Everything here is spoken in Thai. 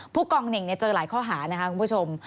ผู้กองเหน่งเจอหลายข้อหานะคะคุณผู้ชม